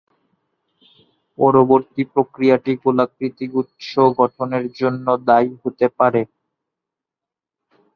পরবর্তী প্রক্রিয়াটি গোলাকৃতি গুচ্ছ গঠনের জন্য দায়ী হতে পারে।